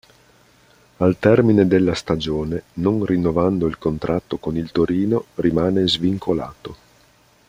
Al termine della stagione, non rinnovando il contratto con il Torino, rimane svincolato.